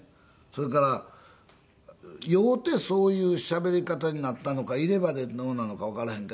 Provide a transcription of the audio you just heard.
それから酔うてそういうしゃべり方になったのか入れ歯でどうなのかわからへんけども。